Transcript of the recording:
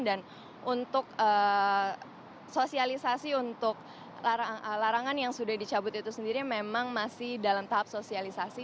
dan untuk sosialisasi untuk larangan yang sudah dicabut itu sendiri memang masih dalam tahap sosialisasi